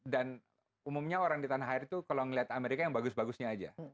dan umumnya orang di tanah air itu kalau melihat amerika yang bagus bagusnya aja